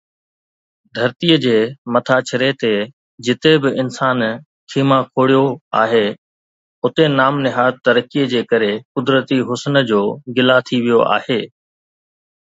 ڌرتيءَ جي مٿاڇري تي جتي به انسان خيما کوڙيو آهي، اتي نام نهاد ترقيءَ جي ڪري قدرتي حسن جو گلا ٿي ويو آهي.